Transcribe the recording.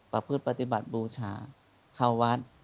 ประพฤติปฏิบัติบูชาเข้าวัด